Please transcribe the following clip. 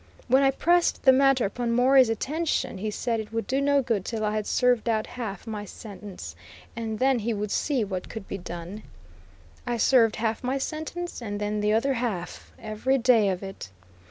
When I pressed the matter upon Morey's attention he said it would do no good till I had served out half my sentence, and then he would see what could be done. I served half my sentence, and then the other half, every day of it.